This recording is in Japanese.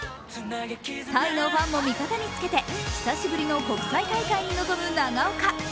タイのファンも味方に付けて久しぶりの国際大会に臨む長岡。